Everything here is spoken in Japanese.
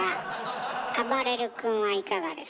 あばれる君はいかがですか？